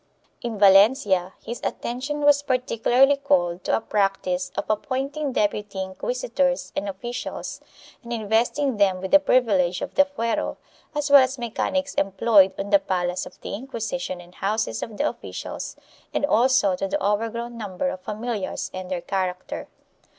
In Valencia his attention was particularly called to a practice of appointing deputy inquisitors and officials and investing them with the privilege of the fuero as well as mechanics employed on the palace of the Inquisition and houses of the officials and also to the overgrown number of familiars and their character.